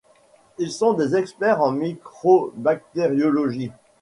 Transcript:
Ils sont des experts en micro-bactériologie.